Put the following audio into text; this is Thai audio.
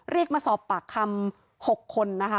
เรียกมาสอบปากคำ๖คนนะคะ